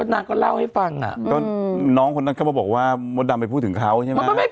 นางก็เล่าให้ฟังอ่ะก็น้องคนนั้นก็มาบอกว่ามดดำไปพูดถึงเขาใช่ไหม